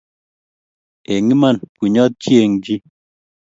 eng Iman, bunnyot chi eng chi